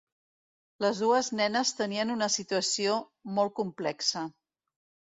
Les dues nenes tenien una situació ‘molt complexa’.